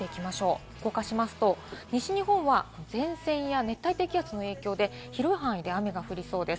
動かしますと、西日本は前線や熱帯低気圧の影響で広い範囲で雨が降りそうです。